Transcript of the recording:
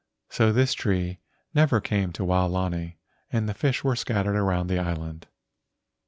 So this tree never came to Waolani and the fish were scattered around the island.